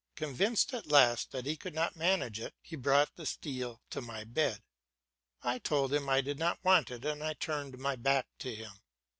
Convinced at last that he could not manage it, he brought the steel to my bed; I told him I did not want it, and I turned my back to him.